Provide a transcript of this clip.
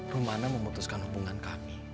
rumahnya memutuskan hubungan kami